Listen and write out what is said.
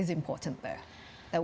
dan kebutuhan untuk menguruskan air kita